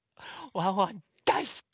ワンワンだいすき！